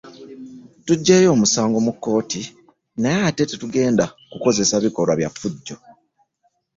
Tuggyeeyo omusango mu kkooti naye ate tetugenda kukozesa bikolwa bya ffujjo.